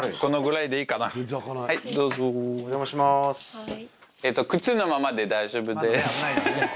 はい。